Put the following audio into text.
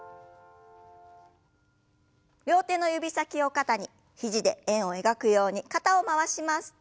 両手の指先を肩に肘で円を描くように肩を回します。